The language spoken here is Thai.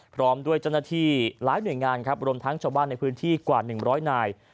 พร้อมด้วยเจ้าหน้าที่หลายหน่วยงานครับรวมทั้งชาวบ้านในพื้นที่กว่า๑๐๐นาย